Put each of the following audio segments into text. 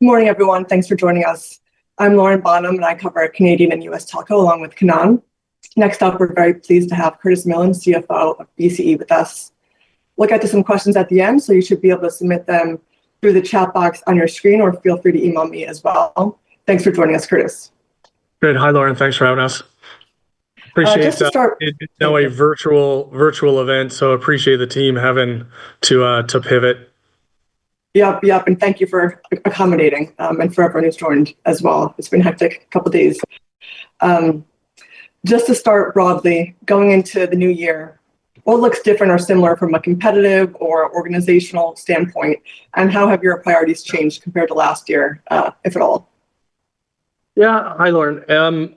Good morning, everyone. Thanks for joining us. I'm Lauren Bonham. I cover Canadian and U.S Telco, along with Kanan. Next up, we're very pleased to have Curtis Millen, CFO of BCE, with us. We'll get to some questions at the end. You should be able to submit them through the chat box on your screen, or feel free to email me as well. Thanks for joining us, Curtis. Great. Hi, Lauren. Thanks for having us. Appreciate that. Just to start- It's now a virtual event. Appreciate the team having to pivot. Yep, yep, and thank you for accommodating, and for everyone who's joined as well. It's been a hectic couple of days. Just to start broadly, going into the new year, what looks different or similar from a competitive or organizational standpoint, and how have your priorities changed compared to last year, if at all? Yeah. Hi, Lauren.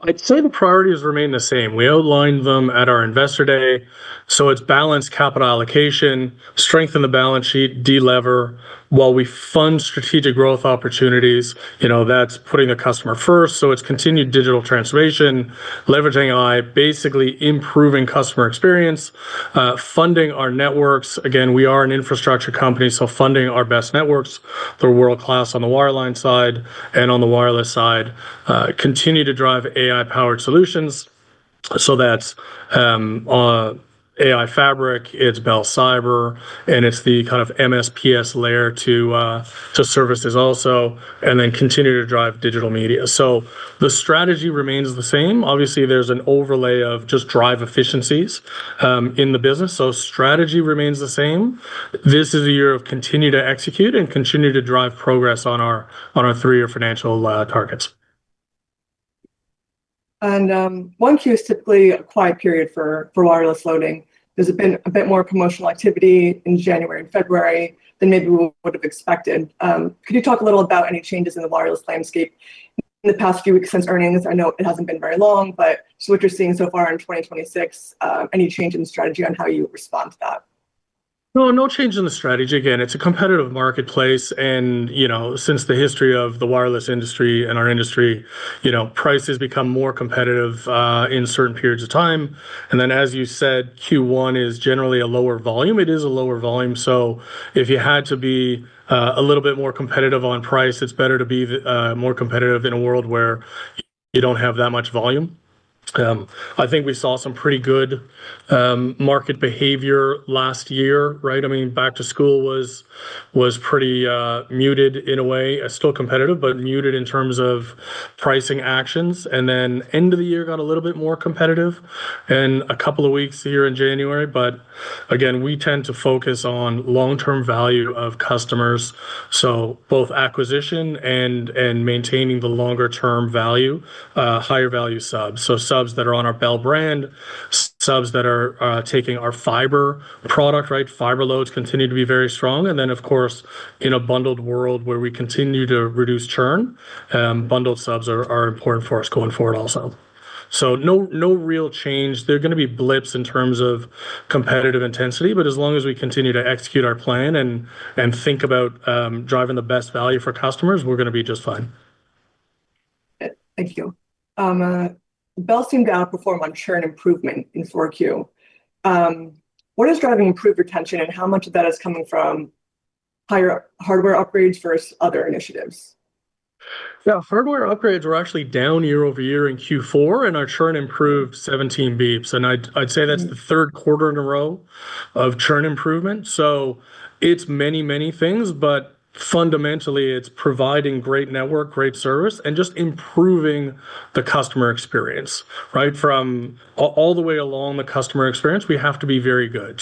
I'd say the priorities remain the same. We outlined them at our Investor Day, so it's balanced capital allocation, strengthen the balance sheet, de-lever, while we fund strategic growth opportunities. You know, that's putting the customer first, so it's continued digital transformation, leveraging AI, basically improving customer experience. Funding our networks. Again, we are an infrastructure company, so funding our best networks. They're world-class on the wireline side and on the wireless side. Continue to drive AI-powered solutions, so that's AI Fabric, it's Bell Cyber, and it's the kind of MSPs layer to services also, and then continue to drive digital media. The strategy remains the same. Obviously, there's an overlay of just drive efficiencies in the business, so strategy remains the same. This is a year of continue to execute and continue to drive progress on our three-year financial targets. 1Q is typically a quiet period for wireless loading. There's been a bit more promotional activity in January and February than maybe we would have expected. Could you talk a little about any changes in the wireless landscape in the past few weeks since earnings? I know it hasn't been very long, but what you're seeing so far in 2026, any change in strategy on how you respond to that? No, no change in the strategy. Again, it's a competitive marketplace, you know, since the history of the wireless industry and our industry, you know, prices become more competitive in certain periods of time. As you said, Q1 is generally a lower volume. It is a lower volume, so if you had to be a little bit more competitive on price, it's better to be more competitive in a world where you don't have that much volume. I think we saw some pretty good market behavior last year, right? I mean, back to school was pretty muted in a way, still competitive, but muted in terms of pricing actions, and then end of the year got a little bit more competitive and a couple of weeks here in January. Again, we tend to focus on long-term value of customers, so both acquisition and maintaining the longer-term value, higher value subs. Subs that are on our Bell brand, subs that are taking our fiber product, right? Fiber loads continue to be very strong. Then, of course, in a bundled world where we continue to reduce churn, bundled subs are important for us going forward also. No, no real change. There are gonna be blips in terms of competitive intensity, but as long as we continue to execute our plan and think about driving the best value for customers, we're gonna be just fine. Thank you. Bell seemed to outperform on churn improvement in 4Q. What is driving improved retention, and how much of that is coming from higher hardware upgrades versus other initiatives? Yeah, hardware upgrades were actually down year-over-year in Q4, our churn improved 17 basis points. I'd say that's the third quarter in a row of churn improvement. It's many, many things, but fundamentally, it's providing great network, great service, and just improving the customer experience, right? All the way along the customer experience, we have to be very good.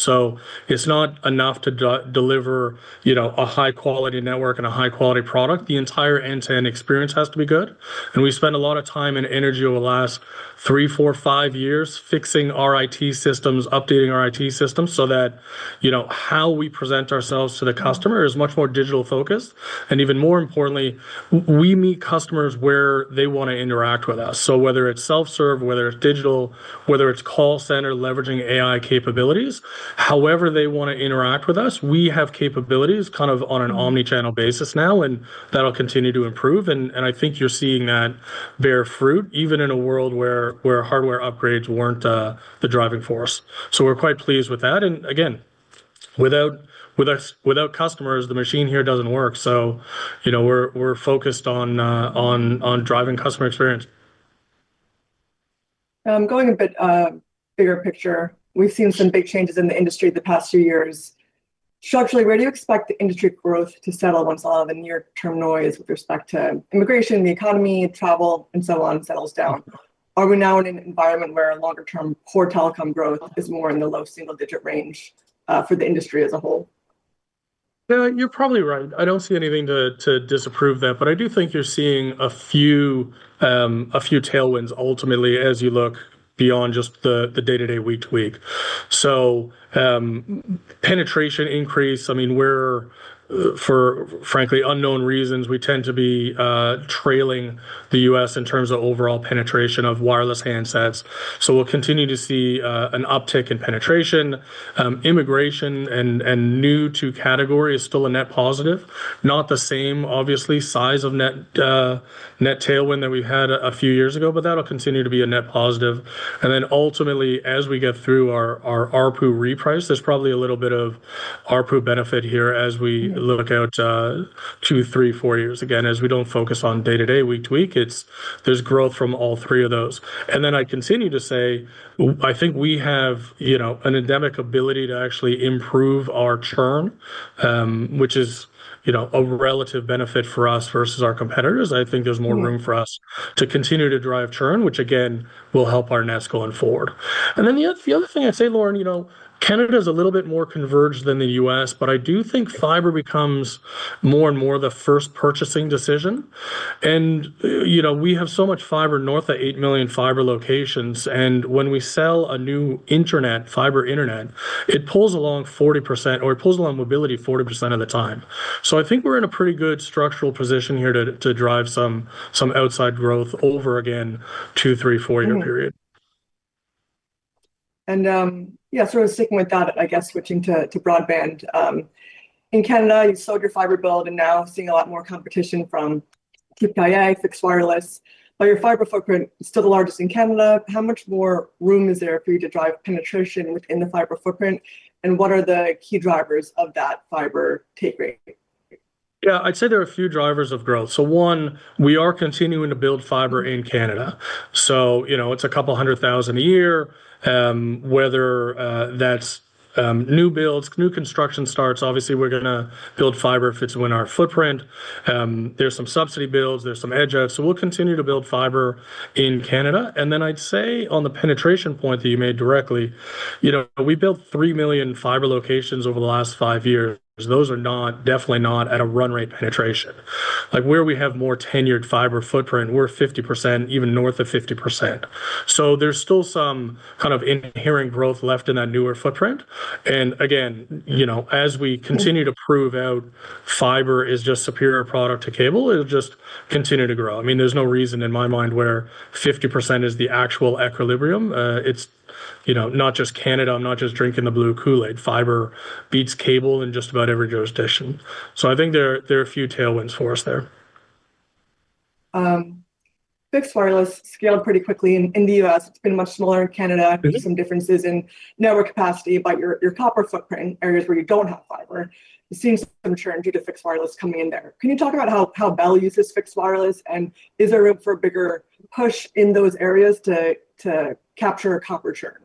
It's not enough to deliver, you know, a high-quality network and a high-quality product. The entire end-to-end experience has to be good. We spent a lot of time and energy over the last three, four, five years fixing our IT systems, updating our IT systems, so that, you know, how we present ourselves to the customer is much more digital focused. Even more importantly, we meet customers where they want to interact with us. Whether it's self-serve, whether it's digital, whether it's call center, leveraging AI capabilities, however they want to interact with us, we have capabilities kind of on an omnichannel basis now, and that'll continue to improve. I think you're seeing that bear fruit, even in a world where hardware upgrades weren't the driving force. We're quite pleased with that. Again, without customers, the machine here doesn't work, so, you know, we're focused on driving customer experience. Going a bit, bigger picture, we've seen some big changes in the industry the past few years. Structurally, where do you expect the industry growth to settle once all of the near-term noise with respect to immigration, the economy, travel, and so on, settles down? Are we now in an environment where longer-term core telecom growth is more in the low single-digit range, for the industry as a whole? Yeah, you're probably right. I don't see anything to disapprove that, but I do think you're seeing a few tailwinds, ultimately, as you look beyond just the day-to-day, week to week. Penetration increase, I mean, we're for frankly unknown reasons, we tend to be trailing the US in terms of overall penetration of wireless handsets. So we'll continue to see an uptick in penetration. Immigration and new to category is still a net positive. Not the same, obviously, size of net tailwind that we've had a few years ago, but that'll continue to be a net positive. Then ultimately, as we get through our ARPU reprice, there's probably a little bit of ARPU benefit here as we look out two, three, four years. As we don't focus on day-to-day, week to week, there's growth from all three of those. I continue to say, I think we have, you know, an endemic ability to actually improve our churn, which is, you know, a relative benefit for us versus our competitors. I think there's more room- Mm -for us to continue to drive churn, which again, will help our net going forward. The other thing I'd say, Lauren, you know, Canada is a little bit more converged than the U.S., but I do think fiber becomes more and more the first purchasing decision. You know, we have so much fiber north of eight million fiber locations, and when we sell a new internet, fiber internet, it pulls along 40%, or it pulls along mobility 40% of the time. I think we're in a pretty good structural position here to drive some outside growth over, again, two, three, four-year period. Yeah, sort of sticking with that, I guess switching to broadband. In Canada, you've sold your fiber build and now seeing a lot more competition from TPIA, fixed wireless, but your fiber footprint is still the largest in Canada. How much more room is there for you to drive penetration within the fiber footprint? What are the key drivers of that fiber take rate? Yeah, I'd say there are a few drivers of growth. One, we are continuing to build fiber in Canada, so, you know, it's a couple hundred thousand a year. whether that's new builds, new construction starts, obviously, we're going to build fiber if it's within our footprint. There's some subsidy builds, there's some edge apps. We'll continue to build fiber in Canada. Then I'd say, on the penetration point that you made directly, you know, we built threwight million fiber locations over the last five years. Those are not, definitely not at a run rate penetration. Like, where we have more tenured fiber footprint, we're 50%, even north of 50%. There's still some kind of inherent growth left in that newer footprint. Again, you know, as we continue. Mm... to prove out fiber is just superior product to cable, it'll just continue to grow. I mean, there's no reason in my mind where 50% is the actual equilibrium. It's, you know, not just Canada. I'm not just drinking the blue Kool-Aid. Fiber beats cable in just about every jurisdiction. I think there are, there are a few tailwinds for us there. Fixed wireless scaled pretty quickly in the U.S. It's been much smaller in Canada. Mm-hmm. There are some differences in network capacity, but your copper footprint, areas where you don't have fiber, it seems some churn due to fixed wireless coming in there. Can you talk about how Bell uses fixed wireless, and is there room for a bigger push in those areas to capture copper churn?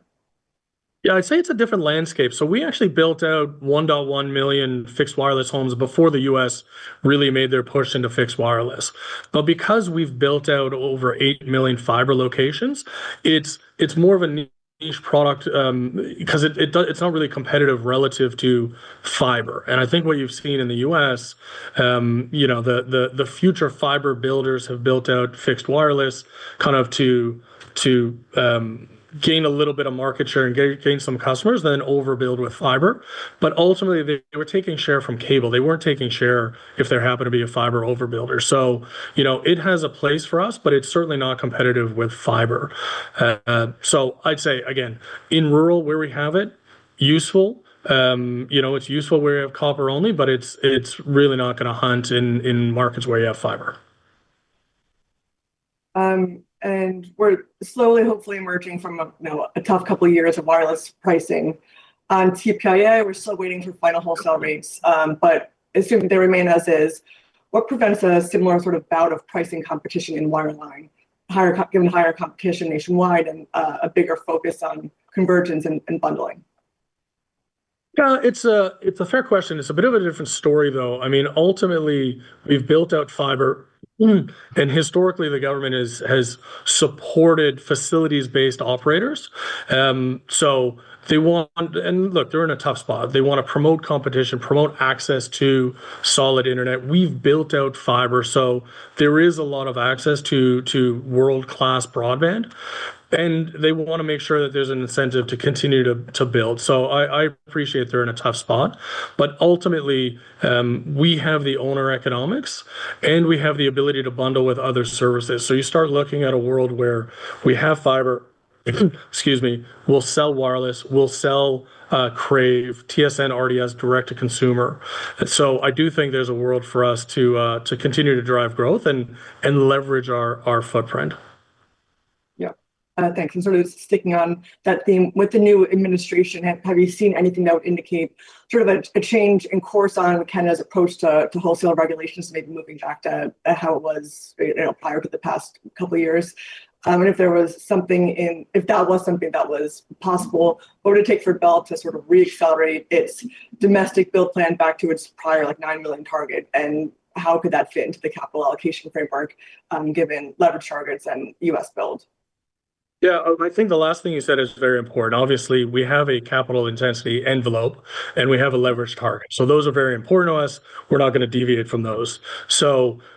Yeah, I'd say it's a different landscape. We actually built out 1 to 1 million fixed wireless homes before the U.S. really made their push into fixed wireless. Because we've built out over 8 million fiber locations, it's more of a niche product because it's not really competitive relative to fiber. I think what you've seen in the U.S., you know, the future fiber builders have built out fixed wireless, kind of to gain a little bit of market share and gain some customers, then overbuild with fiber. Ultimately, they were taking share from cable. They weren't taking share if there happened to be a fiber overbuilder. You know, it has a place for us, but it's certainly not competitive with fiber. I'd say again, in rural where we have it, useful. You know, it's useful where you have copper only, but it's really not going to hunt in markets where you have fiber. We're slowly, hopefully, emerging from a, you know, a tough couple of years of wireless pricing. On TPIA, we're still waiting for final wholesale rates, but assuming they remain as is, what prevents a similar sort of bout of pricing competition in wireline, given the higher competition nationwide and a bigger focus on convergence and bundling? It's a fair question. It's a bit of a different story, though. I mean, ultimately, we've built out fiber, historically, the government has supported facilities-based operators. They want. Look, they're in a tough spot. They want to promote competition, promote access to solid internet. We've built out fiber, there is a lot of access to world-class broadband, and they want to make sure that there's an incentive to continue to build. I appreciate they're in a tough spot, but ultimately, we have the owner economics, and we have the ability to bundle with other services. You start looking at a world where we have fiber, excuse me, we'll sell wireless, we'll sell, Crave, TSN RDS direct to consumer. I do think there's a world for us to continue to drive growth and leverage our footprint. Yeah. Thanks. Sort of sticking on that theme, with the new administration, have you seen anything that would indicate sort of a change in course on Canada's approach to wholesale regulations, maybe moving back to how it was, you know, prior to the past couple of years? If that was something that was possible, what would it take for Bell to sort of recalibrate its domestic build plan back to its prior, like, 9 million target, and how could that fit into the capital allocation framework, given leverage targets and U.S. build? I think the last thing you said is very important. Obviously, we have a capital intensity envelope, and we have a leverage target. Those are very important to us. We're not going to deviate from those.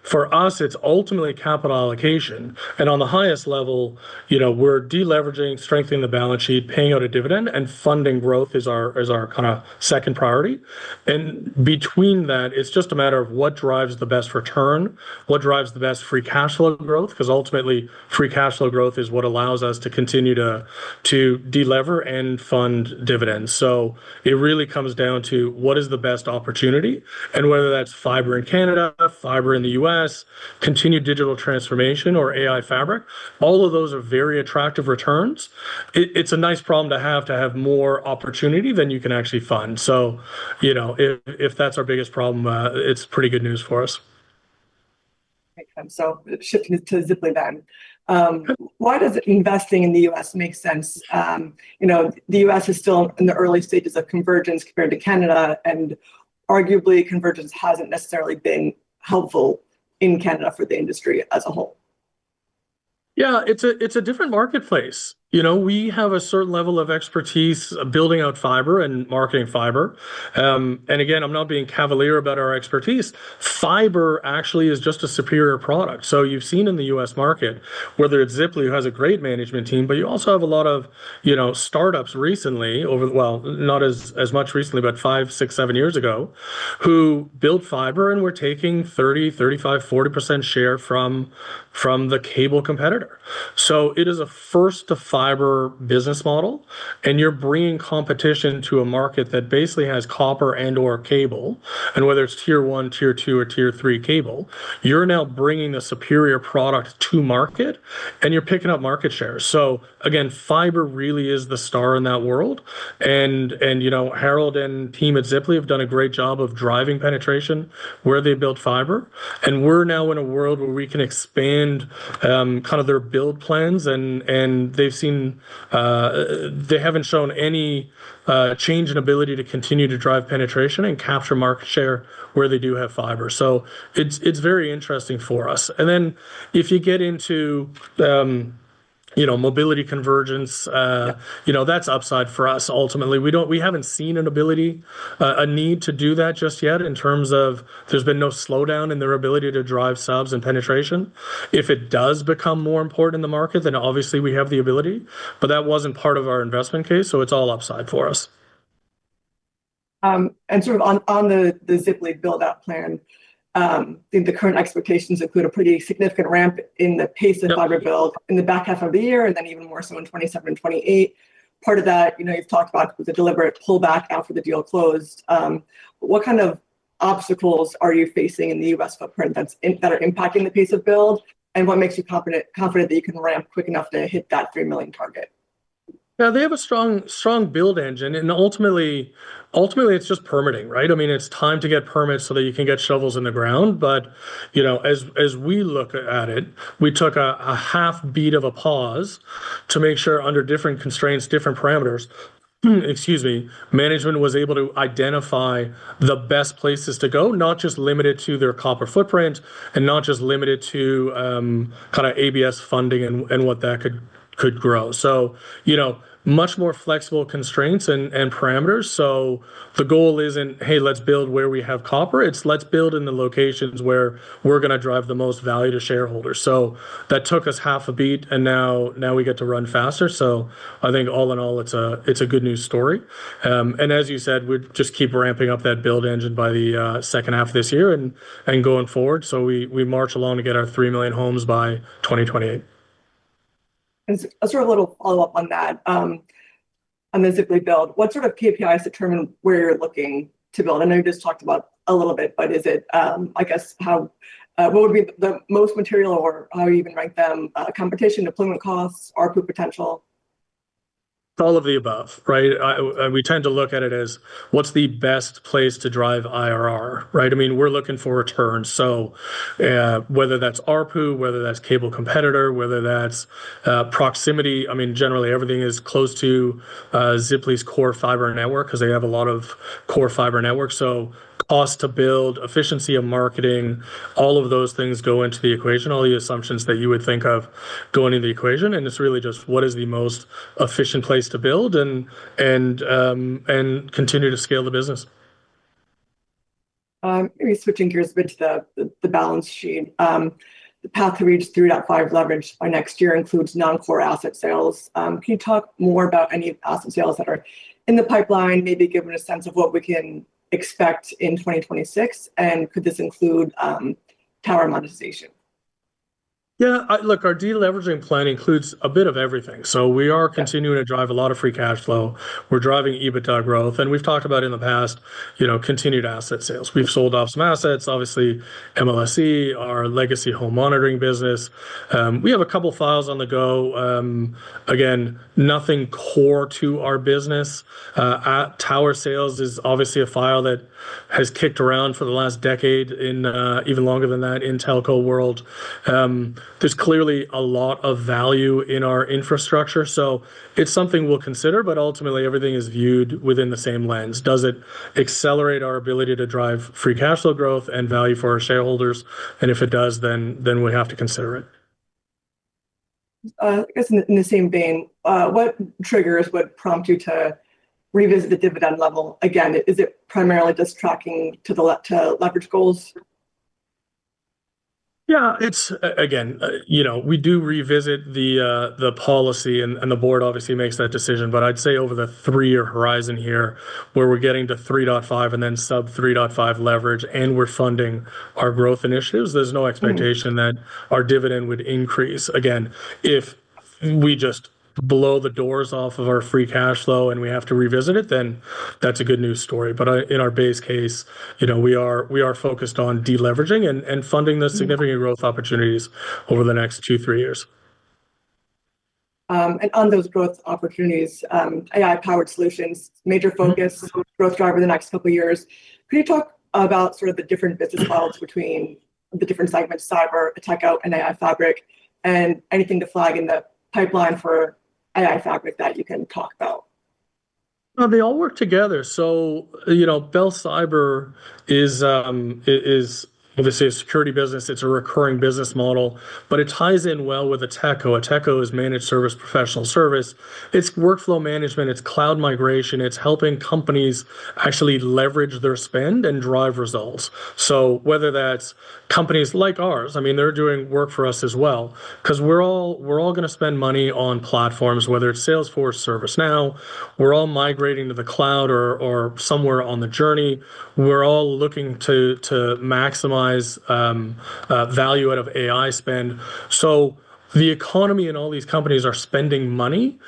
For us, it's ultimately capital allocation, and on the highest level, you know, we're deleveraging, strengthening the balance sheet, paying out a dividend, and funding growth is our kind of second priority. Between that, it's just a matter of what drives the best return, what drives the best free cash flow growth, because ultimately, free cash flow growth is what allows us to continue to delever and fund dividends. It really comes down to what is the best opportunity and whether that's fiber in Canada, fiber in the U.S, continued digital transformation or Bell AI Fabric. All of those are very attractive returns. It's a nice problem to have, to have more opportunity than you can actually fund. You know, if that's our biggest problem, it's pretty good news for us. shifting to Ziply then, why does investing in the U.S. make sense? you know, the U.S. is still in the early stages of convergence compared to Canada, and arguably, convergence hasn't necessarily been helpful in Canada for the industry as a whole. Yeah, it's a different marketplace. You know, we have a certain level of expertise building out fiber and marketing fiber. And again, I'm not being cavalier about our expertise. Fiber actually is just a superior product. You've seen in the U.S. market, whether it's Ziply, who has a great management team, but you also have a lot of, you know, startups recently, not as much recently, but five, six, seven years ago, who built fiber and were taking 30%, 35%, 40% share from the cable competitor. It is a first-to-fiber business model, and you're bringing competition to a market that basically has copper and/or cable, and whether it's Tier 1, Tier 2, or Tier 3 cable, you're now bringing a superior product to market, and you're picking up market share. Again, fiber really is the star in that world. You know, Harold and team at Ziply have done a great job of driving penetration where they built fiber, and we're now in a world where we can expand, kind of their build plans. They haven't shown any change in ability to continue to drive penetration and capture market share where they do have fiber. It's very interesting for us. Then if you get into, you know, mobility convergence... Yeah... you know, that's upside for us ultimately. We haven't seen an ability, a need to do that just yet in terms of there's been no slowdown in their ability to drive subs and penetration. If it does become more important in the market, obviously we have the ability. That wasn't part of our investment case. It's all upside for us. sort of on the Ziply build-out plan, I think the current expectations include a pretty significant ramp in the pace of fiber Yeah... build in the back half of the year, and then even more so in 2027, 2028. Part of that, you know, you've talked about the deliberate pullback after the deal closed. What kind of obstacles are you facing in the U.S. footprint that are impacting the pace of build, and what makes you confident that you can ramp quick enough to hit that three million target? Yeah, they have a strong build engine. Ultimately, it's just permitting, right? I mean, it's time to get permits so that you can get shovels in the ground. You know, as we look at it, we took a half beat of a pause to make sure under different constraints, different parameters, excuse me, management was able to identify the best places to go, not just limited to their copper footprint and not just limited to kind of ABS funding and what that could grow. You know, much more flexible constraints and parameters. The goal isn't, "Hey, let's build where we have copper." It's, "Let's build in the locations where we're gonna drive the most value to shareholders." That took us half a beat, and now we get to run faster. I think all in all, it's a good news story. As you said, we'd just keep ramping up that build engine by the second half of this year and going forward, so we march along to get our three million homes by 2028. Sort of a little follow-up on that. On the Ziply build, what sort of KPIs determine where you're looking to build? I know you just talked about a little bit, but I guess, how, what would be the most material or how you even rank them, competition, deployment costs, ARPU potential? All of the above, right? We tend to look at it as what's the best place to drive IRR, right? I mean, we're looking for return. Whether that's ARPU, whether that's cable competitor, whether that's proximity. I mean, generally, everything is close to Ziply's core fiber network because they have a lot of core fiber network. Cost to build, efficiency of marketing, all of those things go into the equation, all the assumptions that you would think of go into the equation, and it's really just what is the most efficient place to build and continue to scale the business. Maybe switching gears a bit to the, the balance sheet. The path to reach 3.5 leverage by next year includes non-core asset sales. Can you talk more about any asset sales that are in the pipeline? Maybe give me a sense of what we can expect in 2026. Could this include tower monetization? Yeah, look, our deleveraging plan includes a bit of everything. Yeah. We are continuing to drive a lot of free cash flow. We're driving EBITDA growth, and we've talked about in the past, you know, continued asset sales. We've sold off some assets, obviously, MLSE, our legacy home monitoring business. We have a couple files on the go. Again, nothing core to our business. Tower sales is obviously a file that has kicked around for the last decade and even longer than that in telco world. There's clearly a lot of value in our infrastructure, so it's something we'll consider, but ultimately, everything is viewed within the same lens. Does it accelerate our ability to drive free cash flow growth and value for our shareholders? If it does, then we have to consider it. I guess in the same vein, what triggers would prompt you to revisit the dividend level again? Is it primarily just tracking to leverage goals? Yeah, it's, again, you know, we do revisit the policy, and the board obviously makes that decision. I'd say over the three-year horizon here, where we're getting to 3.5 and then sub 3.5 leverage, and we're funding our growth initiatives, there's no expectation- Mm-hmm that our dividend would increase. Again, if we just blow the doors off of our free cash flow and we have to revisit it, then that's a good news story. In our base case, you know, we are focused on deleveraging and funding. Mm-hmm... the significant growth opportunities over the next two, three years.... and on those growth opportunities, AI-powered solutions, major focus, growth driver the next couple years. Can you talk about sort of the different business models between the different segments, Cyber, Ateko, and AI Fabric, and anything to flag in the pipeline for AI Fabric that you can talk about? They all work together, you know, Bell Cyber is, obviously, a security business. It's a recurring business model, but it ties in well with Ateko. Ateko is managed service, professional service. It's workflow management, it's cloud migration, it's helping companies actually leverage their spend and drive results. Whether that's companies like ours, I mean, they're doing work for us as well, 'cause we're all, we're all gonna spend money on platforms, whether it's Salesforce, ServiceNow, we're all migrating to the cloud or somewhere on the journey. We're all looking to maximize value out of AI spend. The economy and all these companies are spending money.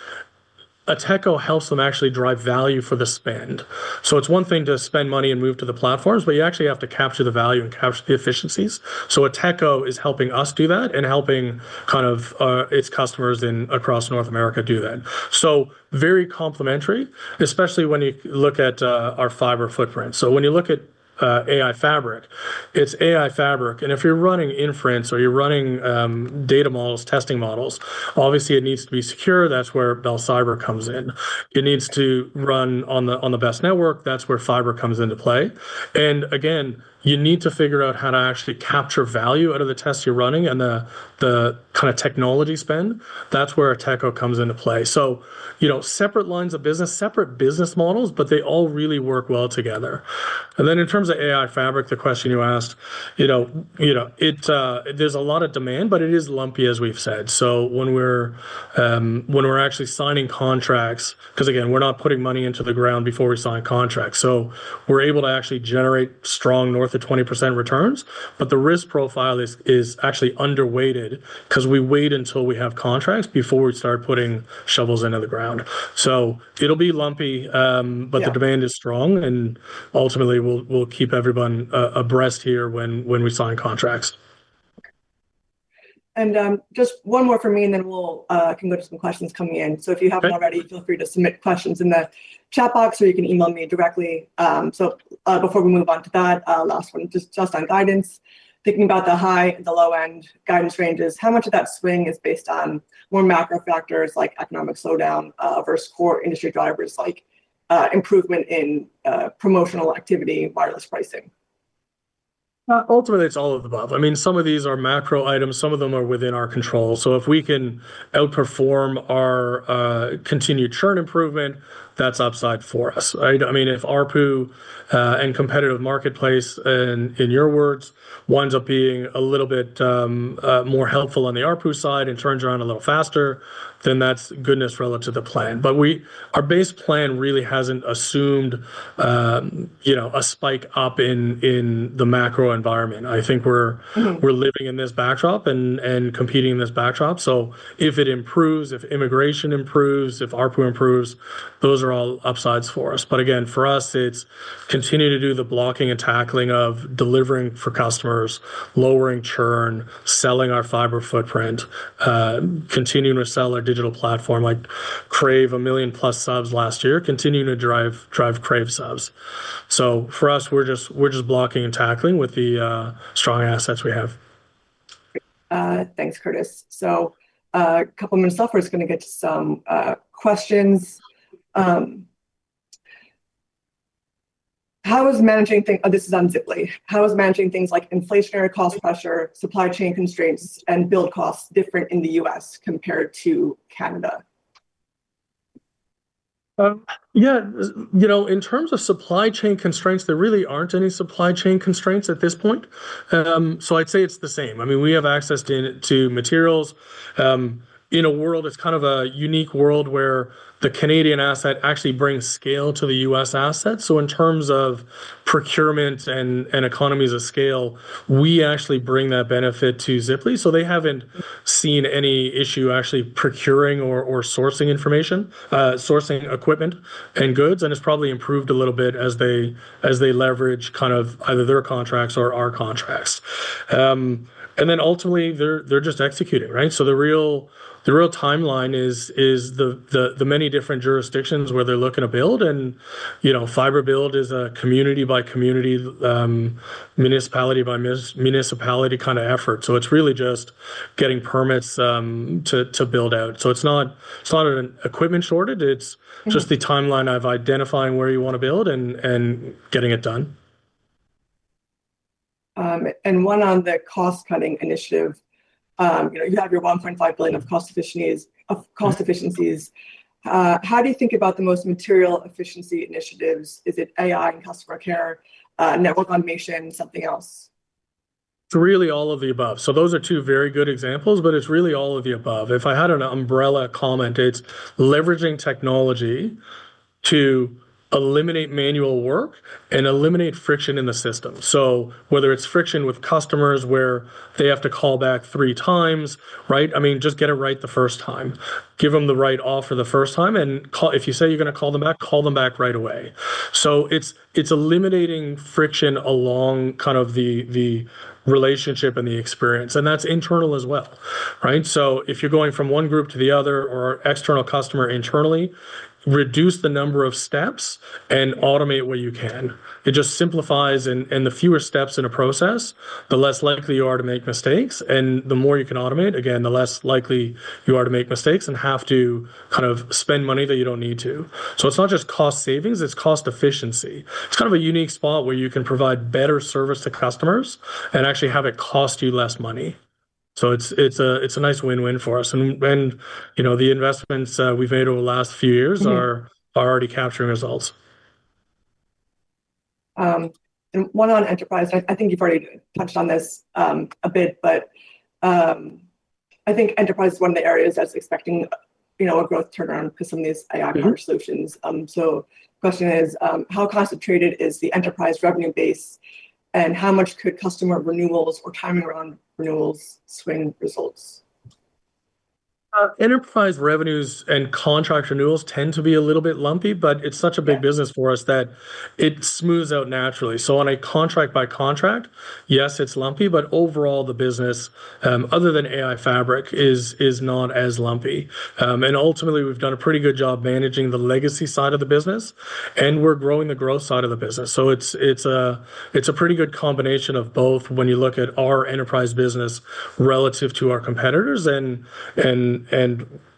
Ateko helps them actually drive value for the spend. It's one thing to spend money and move to the platforms, but you actually have to capture the value and capture the efficiencies. Ateko is helping us do that and helping kind of its customers in across North America do that. Very complementary, especially when you look at our fiber footprint. When you look at AI Fabric, it's AI Fabric, and if you're running inference or you're running data models, testing models, obviously it needs to be secure. That's where Bell Cyber comes in. It needs to run on the best network. That's where fiber comes into play. Again, you need to figure out how to actually capture value out of the tests you're running and the kind of technology spend. That's where Ateko comes into play. You know, separate lines of business, separate business models, but they all really work well together. Then in terms of AI Fabric, the question you asked, you know, you know, it... There's a lot of demand, but it is lumpy, as we've said. When we're actually signing contracts, because again, we're not putting money into the ground before we sign contracts, we're able to actually generate strong north of 20% returns, but the risk profile is actually underweighted, because we wait until we have contracts before we start putting shovels into the ground. It'll be lumpy. Yeah... the demand is strong, and ultimately, we'll keep everyone abreast here when we sign contracts. Just one more from me, and then we'll can go to some questions coming in. Okay. If you haven't already, feel free to submit questions in the chat box, or you can email me directly. Before we move on to that last one, just on guidance, thinking about the high and the low-end guidance ranges, how much of that swing is based on more macro factors, like economic slowdown, versus core industry drivers, like improvement in promotional activity, wireless pricing? Ultimately, it's all of the above. I mean, some of these are macro items, some of them are within our control. If we can outperform our continued churn improvement, that's upside for us, right? I mean, if ARPU and competitive marketplace and, in your words, winds up being a little bit more helpful on the ARPU side and turns around a little faster, that's goodness relative to the plan. Our base plan really hasn't assumed, you know, a spike up in the macro environment. Mm-hmm... we're living in this backdrop and competing in this backdrop. If it improves, if immigration improves, if ARPU improves, those are all upsides for us. Again, for us, it's continue to do the blocking and tackling of delivering for customers, lowering churn, selling our fiber footprint, continuing to sell our digital platform, like Crave, 1 million-plus subs last year, continuing to drive Crave subs. For us, we're just blocking and tackling with the strong assets we have. Thanks, Curtis. A couple minutes left, we're just gonna get to some questions. Oh, this is on Ziply. How is managing things like inflationary cost pressure, supply chain constraints, and build costs different in the U.S. compared to Canada? Yeah, you know, in terms of supply chain constraints, there really aren't any supply chain constraints at this point. I'd say it's the same. I mean, we have access to materials. In a world, it's kind of a unique world where the Canadian asset actually brings scale to the US asset. In terms of procurement and economies of scale, we actually bring that benefit to Ziply. They haven't seen any issue actually procuring or sourcing information, sourcing equipment and goods, and it's probably improved a little bit as they leverage kind of either their contracts or our contracts. Ultimately, they're just executing, right? The real timeline is the many different jurisdictions where they're looking to build, and, you know, fiber build is a community by community, municipality by municipality kind of effort. It's really just getting permits to build out. It's not an equipment shortage, it's- Mm-hmm just the timeline of identifying where you want to build and getting it done. One on the cost-cutting initiative. You know, you have your 1.5 billion of cost efficiencies. How do you think about the most material efficiency initiatives? Is it AI and customer care, network automation, something else? It's really all of the above. Those are two very good examples, but it's really all of the above. If I had an umbrella comment, it's leveraging technology to eliminate manual work and eliminate friction in the system. Whether it's friction with customers, where they have to call back three times, right? I mean, just get it right the first time. Give them the right offer the first time, and call if you say you're going to call them back, call them back right away. It's eliminating friction along kind of the relationship and the experience, and that's internal as well, right? If you're going from one group to the other, or external customer internally, reduce the number of steps and automate where you can. It just simplifies, and the fewer steps in a process, the less likely you are to make mistakes, and the more you can automate, again, the less likely you are to make mistakes and have to kind of spend money that you don't need to. It's not just cost savings. It's cost efficiency. It's kind of a unique spot where you can provide better service to customers and actually have it cost you less money. It's a nice win-win for us. When, you know, the investments we've made over the last few years are already capturing results. One on enterprise. I think you've already touched on this a bit. I think enterprise is one of the areas that's expecting, you know, a growth turnaround 'cause some of these AI solutions. Mm-hmm. The question is, how concentrated is the enterprise revenue base, and how much could customer renewals or timing around renewals swing results? Enterprise revenues and contract renewals tend to be a little bit lumpy, but. Yeah Its such a big business for us that it smooths out naturally. On a contract by contract, yes, it's lumpy, but overall, the business, other than Bell AI Fabric, is not as lumpy. Ultimately, we've done a pretty good job managing the legacy side of the business, and we're growing the growth side of the business. It's a pretty good combination of both when you look at our enterprise business relative to our competitors.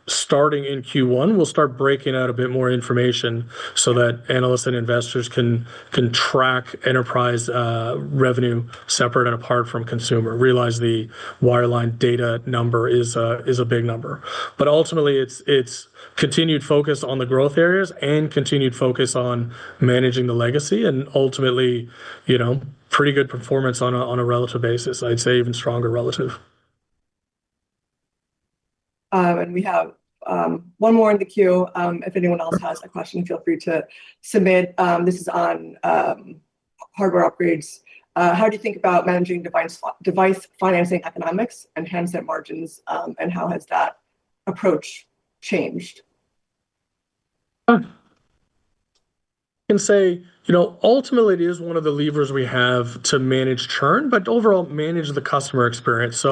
Starting in Q1, we'll start breaking out a bit more information so that analysts and investors can track enterprise revenue separate and apart from consumer. Realize the wireline data number is a big number. Ultimately, it's continued focus on the growth areas and continued focus on managing the legacy and ultimately, you know, pretty good performance on a, on a relative basis, I'd say even stronger relative. We have one more in the queue. If anyone else has a question, feel free to submit. This is on hardware upgrades. How do you think about managing device financing economics and handset margins? How has that approach changed? I can say, you know, ultimately, it is one of the levers we have to manage churn, but overall, manage the customer experience.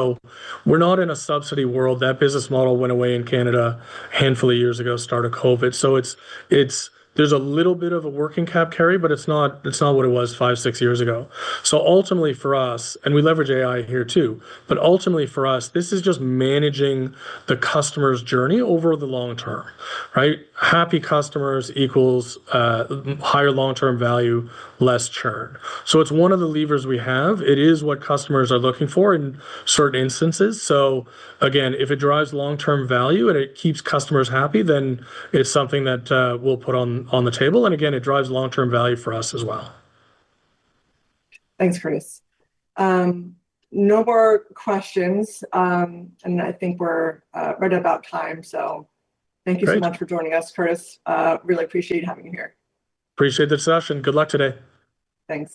We're not in a subsidy world. That business model went away in Canada a handful of years ago, start of COVID. It's there's a little bit of a working capital carry, but it's not what it was five, six years ago. Ultimately for us, and we leverage AI here, too, but ultimately for us, this is just managing the customer's journey over the long term, right? Happy customers equals higher long-term value, less churn. It's one of the levers we have. It is what customers are looking for in certain instances. Again, if it drives long-term value and it keeps customers happy, then it's something that we'll put on the table. Again, it drives long-term value for us as well. Thanks, Curtis. No more questions. I think we're right about time. Great... thank you so much for joining us, Curtis. Really appreciate having you here. Appreciate the session. Good luck today. Thanks.